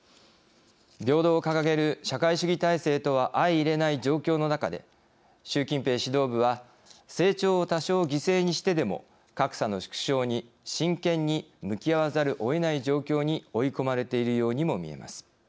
平等を掲げる社会主義体制とは相いれない状況の中で習近平指導部は成長を多少犠牲にしてでも格差の縮小に真剣に向き合わざるをえない状況に追い込まれているようにも見えます。